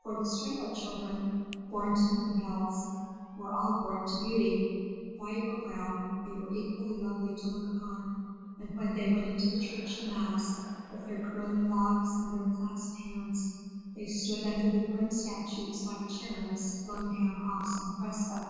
For the Strehla children, born to nothing else, were all born to beauty; white or brown, they were equally lovely to look upon, and when they went into the church to mass, with their curling locks and their clasped hands, they stood under the grim statues like cherubs flown down off some fresco.